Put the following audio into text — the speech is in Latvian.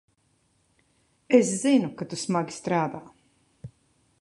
Es zinu, ka tu smagi strādā.